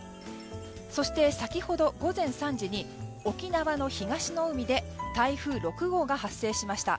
そして、先ほど午前３時に沖縄の東の海で台風６号が発生しました。